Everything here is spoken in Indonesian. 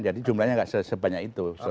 jadi jumlahnya gak sebanyak itu